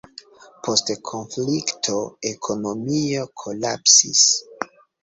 Post konflikto ekonomio kolapsis.